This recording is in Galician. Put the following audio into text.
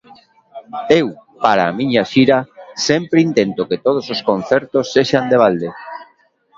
Eu, para a miña xira, sempre intento que todos os concertos sexan de balde.